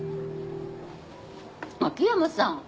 秋山さん。